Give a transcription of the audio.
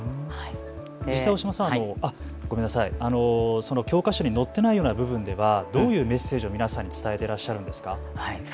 実際に教科書に載っていないような部分ではどういうメッセージを皆さんに伝えていらっしゃるんですか。